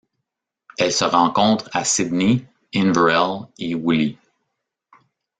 Elle se rencontre à Sydney, Inverell et Wooli.